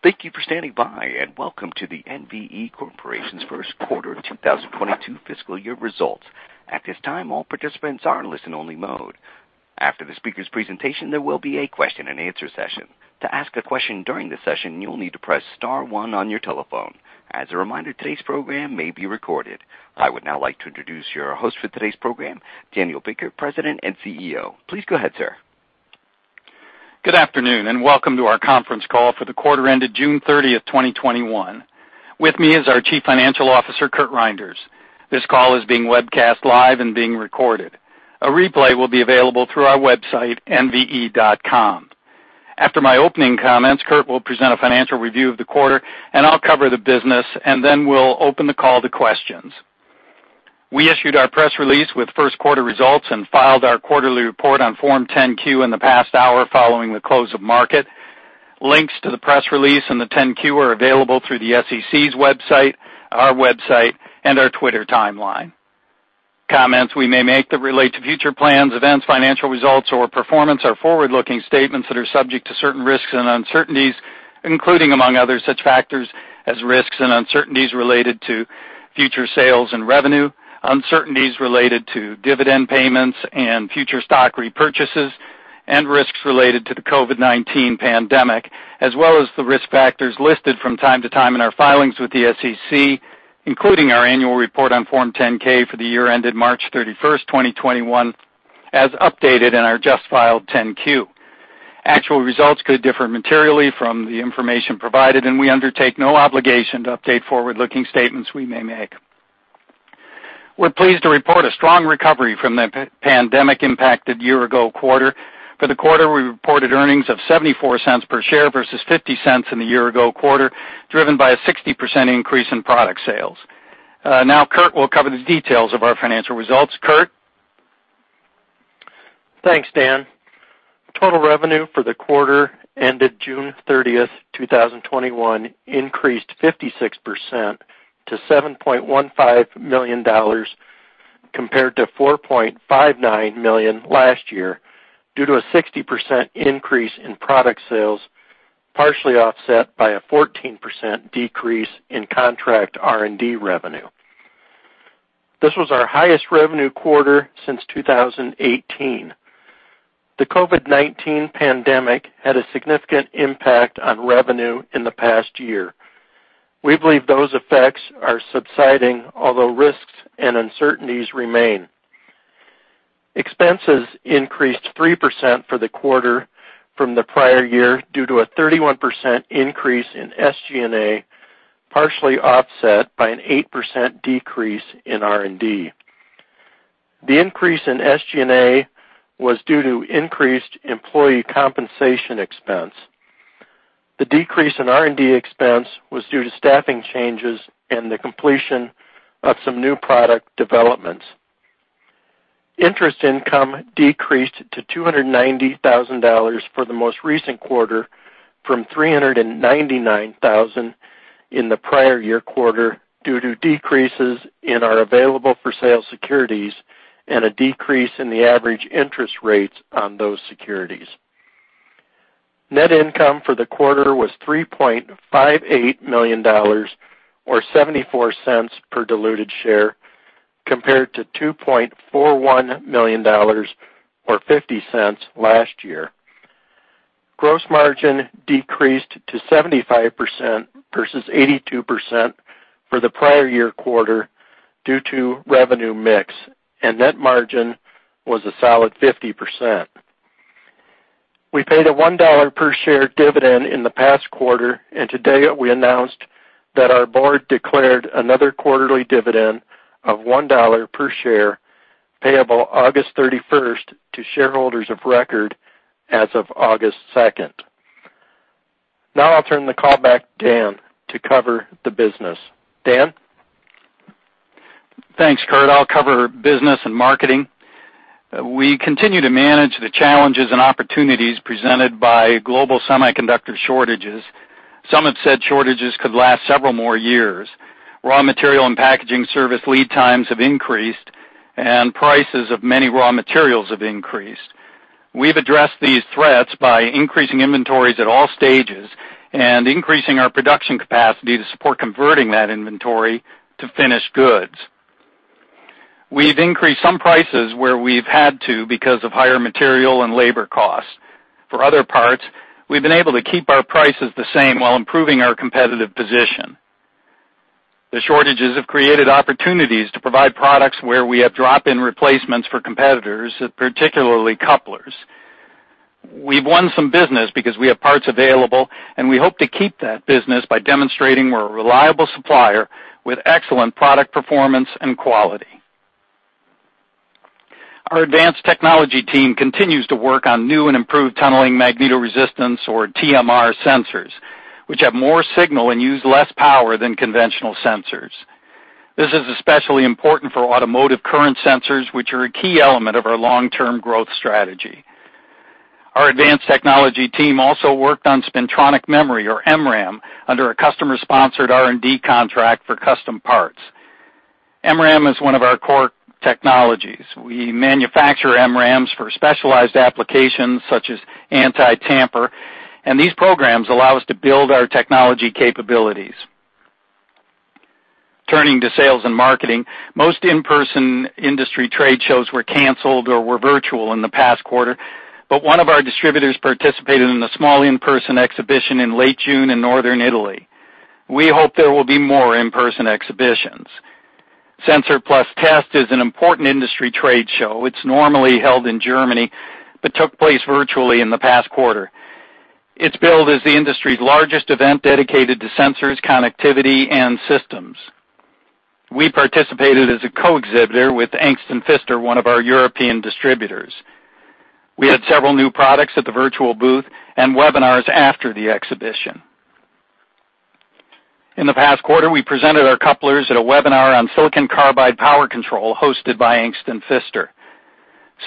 Thank you for standing by, and welcome to the NVE Corporation's First Quarter 2022 Fiscal Year Results. I would now like to introduce your host for today's program, Daniel Baker, President and CEO. Please go ahead, sir. Good afternoon, and welcome to our conference call for the quarter ended June 30th, 2021. With me as our Chief Financial Officer, Curt Reynders. This call is being webcast live and being recorded. A replay will be available through our website, nve.com. After my opening comments, Curt will present a financial review of the quarter, and I'll cover the business, and then we'll open the call to questions. We issued our press release with first quarter results and filed our quarterly report on Form 10-Q in the past hour following the close of market. Links to the press release and the 10-Q are available through the SEC's website, our website, and our Twitter timeline. Comments we may make that relate to future plans, events, financial results, or performance are forward-looking statements that are subject to certain risks and uncertainties, including among others, such factors as risks and uncertainties related to future sales and revenue, uncertainties related to dividend payments and future stock repurchases, and risks related to the COVID-19 pandemic, as well as the risk factors listed from time to time in our filings with the SEC, including our annual report on Form 10-K for the year ended March 31st, 2021, as updated in our just filed 10-Q. Actual results could differ materially from the information provided. We undertake no obligation to update forward-looking statements we may make. We're pleased to report a strong recovery from the pandemic impacted year ago quarter. For the quarter, we reported earnings of $0.74 per share versus $0.50 in the year ago quarter, driven by a 60% increase in product sales. Now, Curt will cover the details of our financial results. Curt? Thanks, Dan. Total revenue for the quarter ended June 30th, 2021 increased 56% to $7.15 million, compared to $4.59 million last year due to a 60% increase in product sales, partially offset by a 14% decrease in contract R&D revenue. This was our highest revenue quarter since 2018. The COVID-19 pandemic had a significant impact on revenue in the past year. We believe those effects are subsiding, although risks and uncertainties remain. Expenses increased 3% for the quarter from the prior year due to a 31% increase in SG&A, partially offset by an 8% decrease in R&D. The increase in SG&A was due to increased employee compensation expense. The decrease in R&D expense was due to staffing changes and the completion of some new product developments. Interest income decreased to $290,000 for the most recent quarter from $399,000 in the prior year quarter due to decreases in our available for sale securities and a decrease in the average interest rates on those securities. Net income for the quarter was $3.58 million, or $0.74 per diluted share, compared to $2.41 million or $0.50 last year. Gross margin decreased to 75% versus 82% for the prior year quarter due to revenue mix, and net margin was a solid 50%. We paid a $1 per share dividend in the past quarter, and today we announced that our board declared another quarterly dividend of $1 per share payable August 31st to shareholders of record as of August 2nd. Now I'll turn the call back to Dan to cover the business. Dan? Thanks, Curt. I'll cover business and marketing. We continue to manage the challenges and opportunities presented by global semiconductor shortages. Some have said shortages could last several more years. Raw material and packaging service lead times have increased, and prices of many raw materials have increased. We've addressed these threats by increasing inventories at all stages and increasing our production capacity to support converting that inventory to finished goods. We've increased some prices where we've had to because of higher material and labor costs. For other parts, we've been able to keep our prices the same while improving our competitive position. The shortages have created opportunities to provide products where we have drop-in replacements for competitors, particularly couplers. We've won some business because we have parts available, and we hope to keep that business by demonstrating we're a reliable supplier with excellent product performance and quality. Our advanced technology team continues to work on new and improved tunneling magnetoresistance or TMR sensors, which have more signal and use less power than conventional sensors. This is especially important for automotive current sensors, which are a key element of our long-term growth strategy. Our advanced technology team also worked on spintronic memory or MRAM under a customer-sponsored R&D contract for custom parts. MRAM is one of our core technologies. We manufacture MRAMs for specialized applications such as anti-tamper, and these programs allow us to build our technology capabilities. Turning to sales and marketing, most in-person industry trade shows were canceled or were virtual in the past quarter, but one of our distributors participated in a small in-person exhibition in late June in Northern Italy. We hope there will be more in-person exhibitions. SENSOR+TEST is an important industry trade show. It's normally held in Germany, but took place virtually in the past quarter. It's billed as the industry's largest event dedicated to sensors, connectivity, and systems. We participated as a co-exhibitor with Angst+Pfister, one of our European distributors. We had several new products at the virtual booth and webinars after the exhibition. In the past quarter, we presented our couplers at a webinar on silicon carbide power control hosted by Angst+Pfister.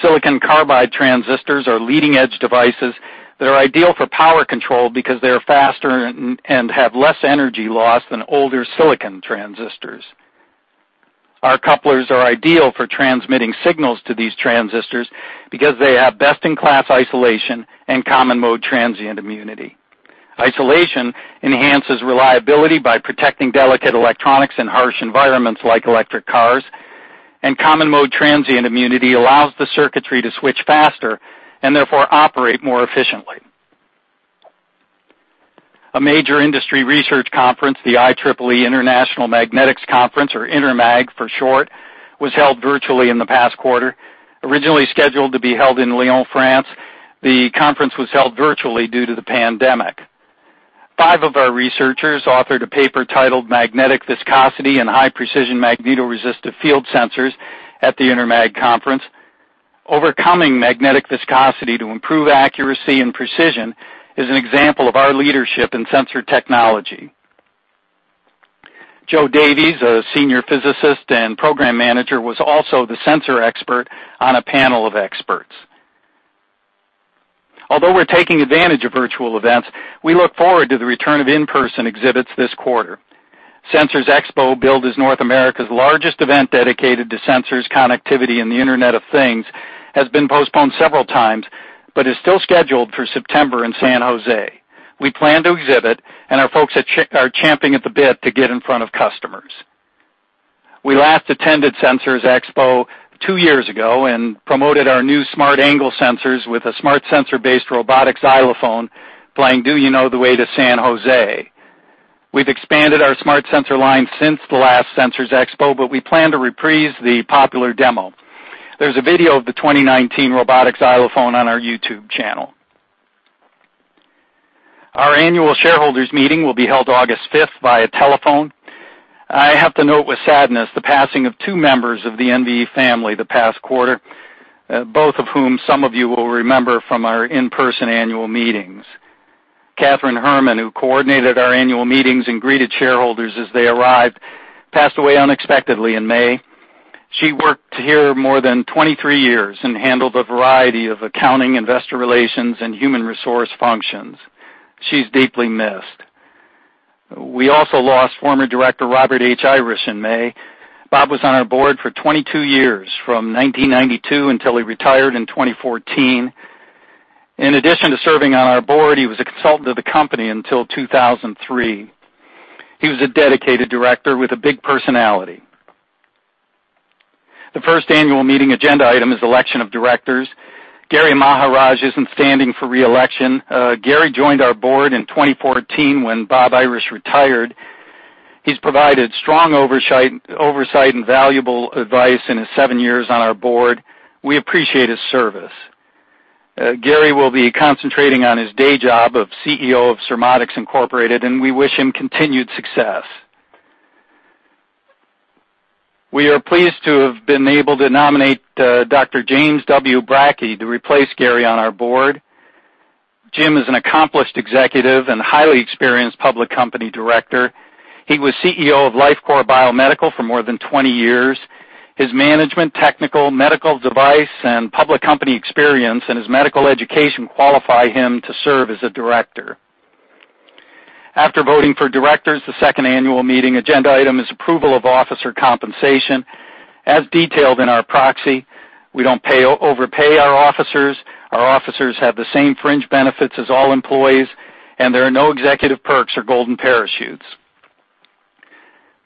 Silicon carbide transistors are leading-edge devices that are ideal for power control because they are faster and have less energy loss than older silicon transistors. Our couplers are ideal for transmitting signals to these transistors because they have best-in-class isolation and common mode transient immunity. Isolation enhances reliability by protecting delicate electronics in harsh environments like electric cars, and common mode transient immunity allows the circuitry to switch faster, and therefore operate more efficiently. A major industry research conference, the IEEE International Magnetics Conference, or INTERMAG for short, was held virtually in the past quarter. Originally scheduled to be held in Lyon, France, the conference was held virtually due to the pandemic. Five of our researchers authored a paper titled "Magnetic Viscosity in High-Precision Magnetoresistive Field Sensors" at the INTERMAG conference. Overcoming magnetic viscosity to improve accuracy and precision is an example of our leadership in sensor technology. Joe Davies, a Senior Physicist and Program Manager, was also the sensor expert on a panel of experts. Although we're taking advantage of virtual events, we look forward to the return of in-person exhibits this quarter. Sensors Expo, billed as North America's largest event dedicated to sensors, connectivity, and the Internet of Things, has been postponed several times, but is still scheduled for September in San Jose. We plan to exhibit, and our folks are champing at the bit to get in front of customers. We last attended Sensors Expo two years ago and promoted our new smart angle sensors with a smart sensor-based robotics xylophone playing, "Do You Know the Way to San Jose?" We've expanded our smart sensor line since the last Sensors Expo, but we plan to reprise the popular demo. There's a video of the 2019 robotic xylophone on our YouTube channel. Our annual shareholders meeting will be held August fifth via telephone. I have to note with sadness the passing of two members of the NVE family the past quarter, both of whom some of you will remember from our in-person annual meetings. Catherine Herman, who coordinated our annual meetings and greeted shareholders as they arrived, passed away unexpectedly in May. She worked here more than 23 years and handled a variety of accounting, investor relations, and human resource functions. She's deeply missed. We also lost former director Robert H. Irish in May. Bob was on our board for 22 years, from 1992 until he retired in 2014. In addition to serving on our board, he was a consultant of the company until 2003. He was a dedicated director with a big personality. The first annual meeting agenda item is election of directors. Gary Maharaj isn't standing for re-election. Gary joined our board in 2014 when Bob Irish retired. He's provided strong oversight and valuable advice in his seven years on our board. We appreciate his service. Gary will be concentrating on his day job of CEO of Surmodics Incorporated, and we wish him continued success. We are pleased to have been able to nominate Dr. James W. Bracke to replace Gary on our board. Jim is an accomplished executive and highly experienced public company Director. He was CEO of Lifecore Biomedical for more than 20 years. His management, technical, medical device, and public company experience, and his medical education qualify him to serve as a Director. After voting for Directors, the second annual meeting agenda item is approval of officer compensation. As detailed in our proxy, we don't overpay our officers, our officers have the same fringe benefits as all employees, and there are no executive perks or golden parachutes.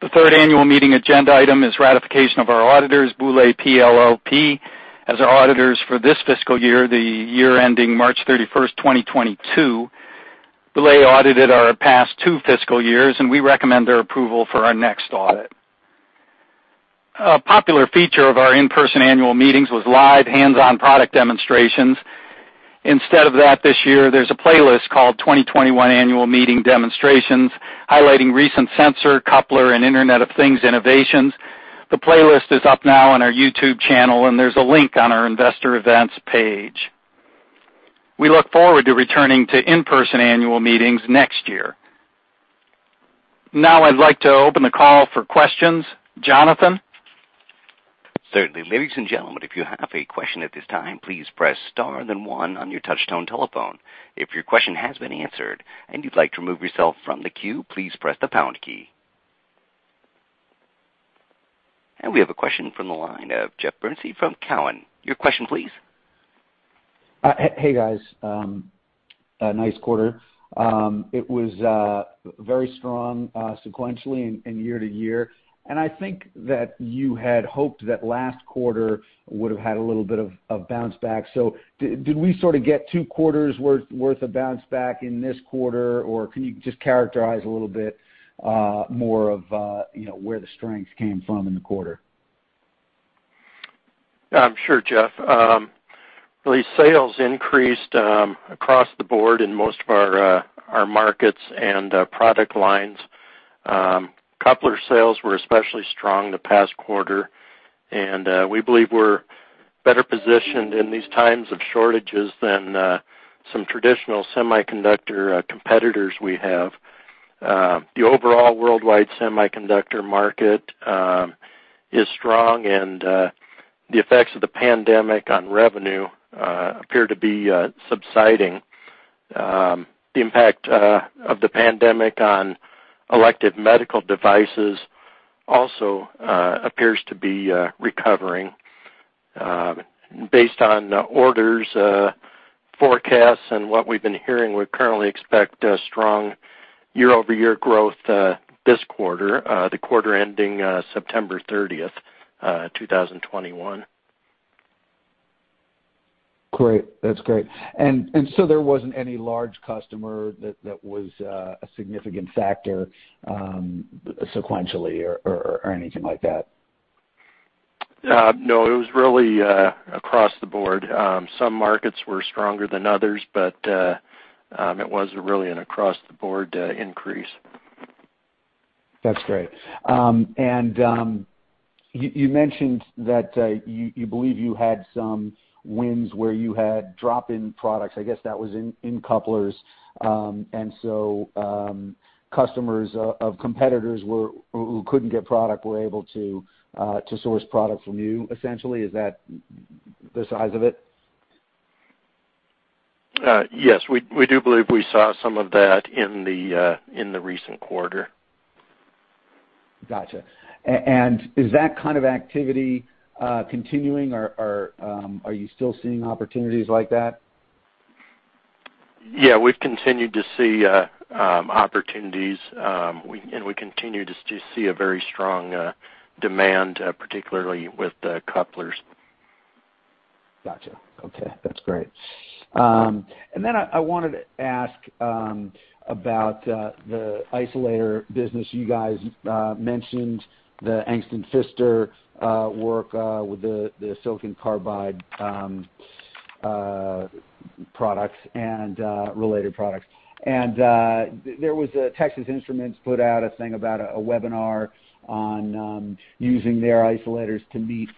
The third annual meeting agenda item is ratification of our auditors, Boulay PLLP, as our auditors for this fiscal year, the year ending March 31st, 2022. Boulay audited our past two fiscal years, and we recommend their approval for our next audit. A popular feature of our in-person annual meetings was live hands-on product demonstrations. Instead of that this year, there's a playlist called "2021 Annual Meeting Demonstrations," highlighting recent sensor, coupler, and Internet of Things innovations. The playlist is up now on our YouTube channel, and there's a link on our investor events page. We look forward to returning to in-person annual meetings next year. Now I'd like to open the call for questions. Jonathan? Certainly. Ladies and gentlemen, if you have a question at this time, please press star then one on your touchtone telephone. If your question has been answered and you'd like to remove yourself from the queue, please press the pound key. We have a question from the line of Jeff Bernstein from Cowen. Your question please. Hey, guys. Nice quarter. It was very strong sequentially and year-to-year. I think that you had hoped that last quarter would have had a little bit of bounce back. Did we sort of get two quarters worth of bounce back in this quarter, or can you just characterize a little bit more of where the strengths came from in the quarter? Sure, Jeff. Well, these sales increased across the board in most of our markets and product lines. Coupler sales were especially strong the past quarter, and we believe we're better positioned in these times of shortages than some traditional semiconductor competitors we have. The overall worldwide semiconductor market is strong, and the effects of the pandemic on revenue appear to be subsiding. The impact of the pandemic on elective medical devices also appears to be recovering. Based on orders, forecasts, and what we've been hearing, we currently expect strong year-over-year growth this quarter, the quarter ending September 30th, 2021. Great. That's great. There wasn't any large customer that was a significant factor sequentially or anything like that? No. It was really across the board. Some markets were stronger than others. It was really an across-the-board increase. That's great. You mentioned that you believe you had some wins where you had drop-in products, I guess that was in couplers. Customers of competitors who couldn't get product were able to source product from you essentially. Is that the size of it? Yes. We do believe we saw some of that in the recent quarter. Got you. Is that kind of activity continuing, or are you still seeing opportunities like that? Yeah. We've continued to see opportunities, and we continue to see a very strong demand, particularly with the couplers. Got you. Okay, that's great. Then I wanted to ask about the isolator business. You guys mentioned the Angst+Pfister work with the silicon carbide products and related products. There was a Texas Instruments put out a thing about a webinar on using their isolators to meet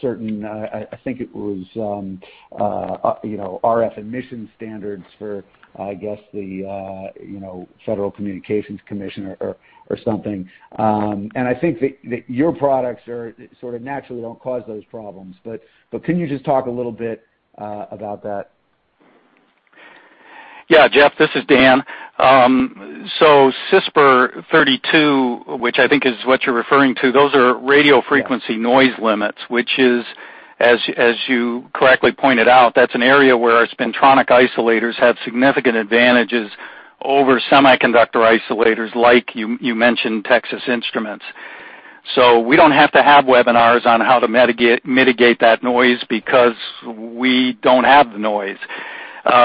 certain, I think it was, RF emission standards for, I guess, the Federal Communications Commission or something. I think that your products sort of naturally don't cause those problems, but can you just talk a little bit about that? Yeah, Jeff, this is Dan. CISPR 32, which I think is what you're referring to, those are radio frequency-. Yeah. Noise limits, which is, as you correctly pointed out, that's an area where our spintronic isolators have significant advantages over semiconductor isolators like you mentioned, Texas Instruments. We don't have to have webinars on how to mitigate that noise because we don't have the noise.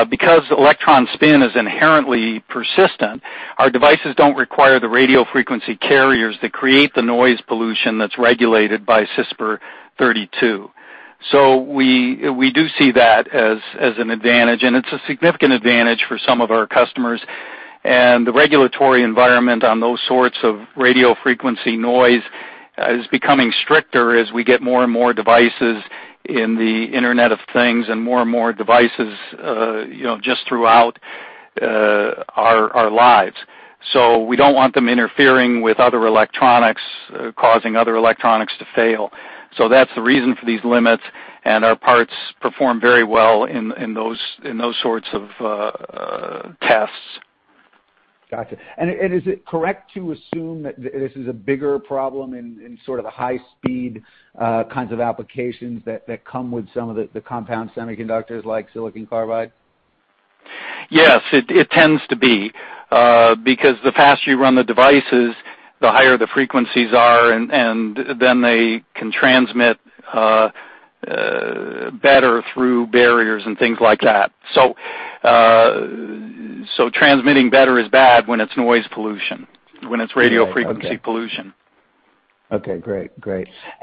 Because electron spin is inherently persistent, our devices don't require the radio frequency carriers that create the noise pollution that's regulated by CISPR 32. We do see that as an advantage, and it's a significant advantage for some of our customers. The regulatory environment on those sorts of radio frequency noise is becoming stricter as we get more and more devices in the Internet of Things and more and more devices just throughout our lives. We don't want them interfering with other electronics, causing other electronics to fail. That's the reason for these limits, and our parts perform very well in those sorts of tests. Got you. Is it correct to assume that this is a bigger problem in sort of the high-speed kinds of applications that come with some of the compound semiconductors, like silicon carbide? Yes. It tends to be, because the faster you run the devices, the higher the frequencies are, and then they can transmit better through barriers and things like that. Transmitting better is bad when it's noise pollution, when it's radio frequency- Yeah. Okay. Pollution. Okay, great.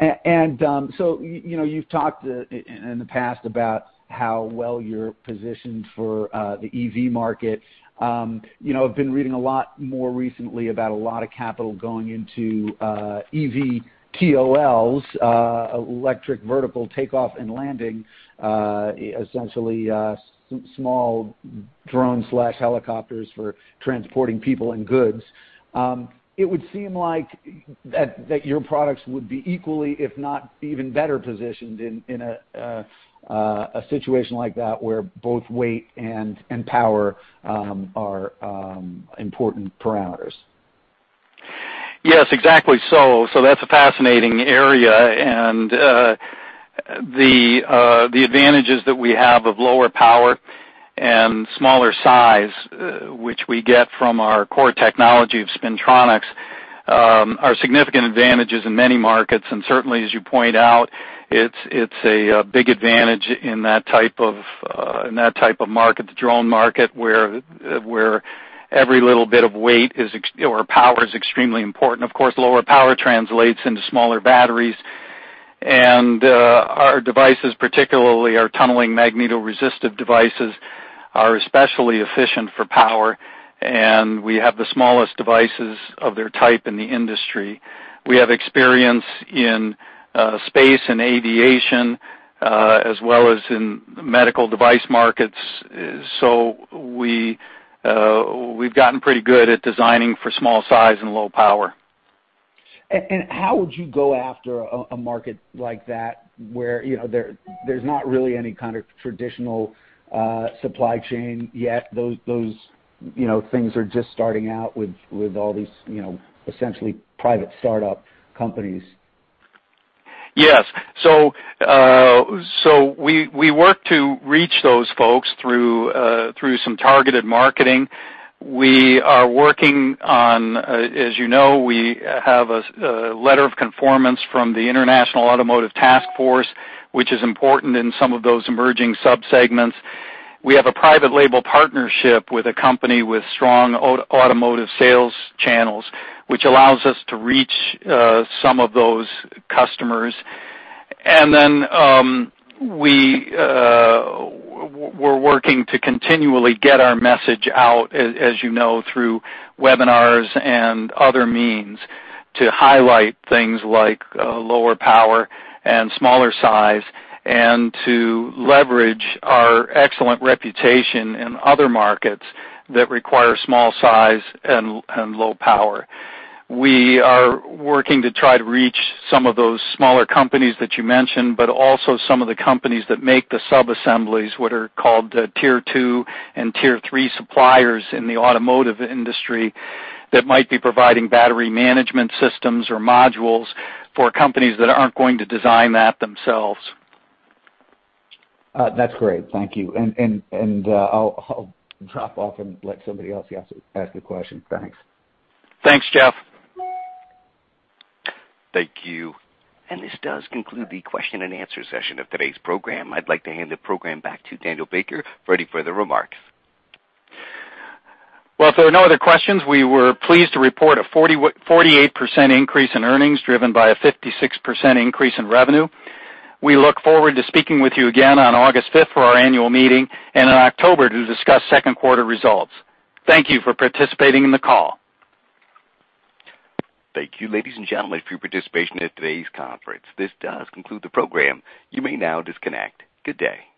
You've talked in the past about how well you're positioned for the EV market. I've been reading a lot more recently about a lot of capital going into eVTOLs, electric vertical take-off and landing. Essentially, small drone/helicopters for transporting people and goods. It would seem like that your products would be equally, if not even better positioned in a situation like that where both weight and power are important parameters. Yes, exactly. That's a fascinating area, and the advantages that we have of lower power and smaller size, which we get from our core technology of spintronics, are significant advantages in many markets. Certainly, as you point out, it's a big advantage in that type of market, the drone market, where every little bit of weight or power is extremely important. Of course, lower power translates into smaller batteries. Our devices, particularly our tunneling magnetoresistive devices, are especially efficient for power, and we have the smallest devices of their type in the industry. We have experience in space and aviation, as well as in medical device markets. We've gotten pretty good at designing for small size and low power. How would you go after a market like that, where there's not really any kind of traditional supply chain yet? Those things are just starting out with all these essentially private startup companies. Yes. We work to reach those folks through some targeted marketing. As you know, we have a letter of conformance from the International Automotive Task Force, which is important in some of those emerging sub-segments. We have a private label partnership with a company with strong automotive sales channels, which allows us to reach some of those customers. Then we're working to continually get our message out, as you know, through webinars and other means to highlight things like lower power and smaller size, and to leverage our excellent reputation in other markets that require small size and low power. We are working to try to reach some of those smaller companies that you mentioned, but also some of the companies that make the subassemblies, what are called Tier 2 and Tier 3 suppliers in the automotive industry, that might be providing battery management systems or modules for companies that aren't going to design that themselves. That's great. Thank you. I'll drop off and let somebody else ask a question. Thanks. Thanks, Jeff. Thank you. This does conclude the question and answer session of today's program. I'd like to hand the program back to Daniel Baker for any further remarks. Well, if there are no other questions, we were pleased to report a 48% increase in earnings driven by a 56% increase in revenue. We look forward to speaking with you again on August 5th for our annual meeting and in October to discuss second quarter results. Thank you for participating in the call. Thank you, ladies and gentlemen, for your participation in today's conference. This does conclude the program. You may now disconnect. Good day.